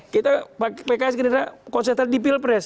kita pks gerinda konsentrasi di pilpres